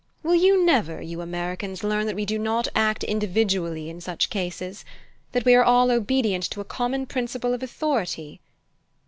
Will you never, you Americans, learn that we do not act individually in such cases? That we are all obedient to a common principle of authority?"